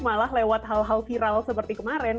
malah lewat hal hal viral seperti kemarin